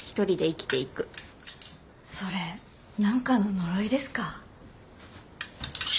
それ何かの呪いですか？